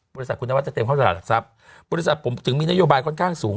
บริษัทคุณนวัฒจะเต็มเข้าตลาดหลักทรัพย์บริษัทผมถึงมีนโยบายค่อนข้างสูง